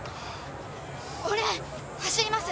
俺走ります